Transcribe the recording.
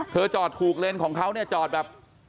จอดถูกเลนของเขาเนี่ยจอดแบบ